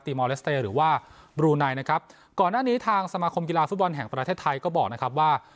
มอลเลสเตย์หรือว่าบรูไนนะครับก่อนหน้านี้ทางสมาคมกีฬาฟุตบอลแห่งประเทศไทยก็บอกนะครับว่า